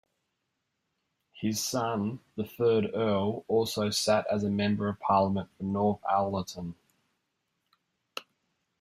His son, the third Earl, also sat as Member of Parliament for Northallerton.